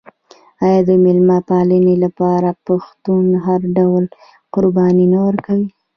آیا د میلمه پالنې لپاره پښتون هر ډول قرباني نه ورکوي؟